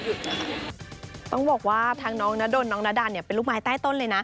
ต้องบอกว่าทางน้องนาดนน้องนาดาเนี่ยเป็นลูกไม้ใต้ต้นเลยนะ